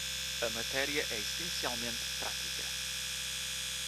A matéria é essencialmente prática.